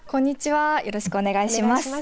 よろしくお願いします。